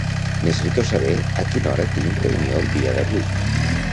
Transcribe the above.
Necessito saber a quina hora tinc reunió el dia d'avui.